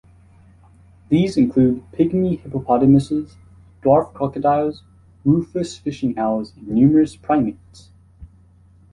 These include pygmy hippopotamuses, dwarf crocodiles, rufous fishing-owls and numerous primates.